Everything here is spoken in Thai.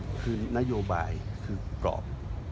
ก็โดยรวมคือนโยบายคือกรอบ